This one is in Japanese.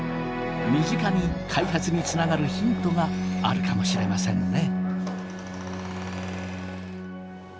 身近に開発につながるヒントがあるかもしれませんね。